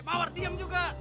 mawar diam juga